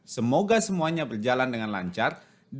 semoga semuanya berjalan dengan lancar